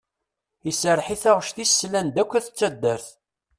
Iserreḥ i taɣect-is slan-d akk At taddart.